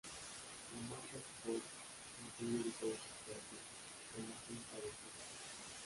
La marca Scotch incluye diferentes clases de la cinta adhesiva.